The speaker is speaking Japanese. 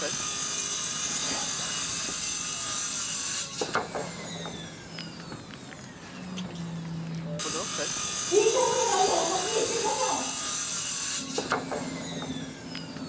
比奈先生言いたいことがあるならはっきり言ってください！